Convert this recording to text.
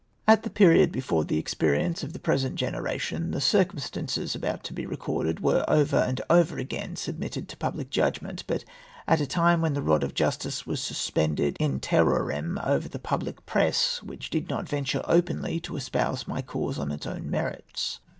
At a period before the experience of the present generation, the circumstances about to be recorded were over and over again submitted to i^ubhc judg ment, but at a time when the rod of justice was sus pended in terror em over the pubhc press, which did not venture openly to espouse my cause on its own merits.